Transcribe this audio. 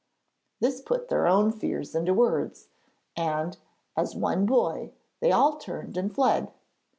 This put their own fears into words, and, as one boy, they all turned and fled.